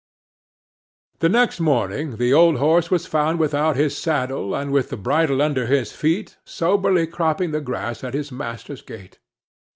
The next morning the old horse was found without his saddle, and with the bridle under his feet, soberly cropping the grass at his master's gate.